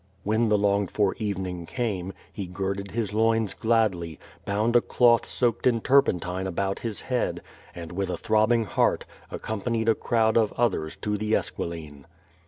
WTien the long for evening came, he girded his loins gladly, bound a cloth soaked in turpentine about his head, and, with a throbbing heart, accompanied a crowd of others to the Esquiline.